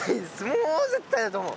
もう絶対だと思う。